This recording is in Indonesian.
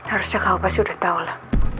harusnya kau pasti udah tau lah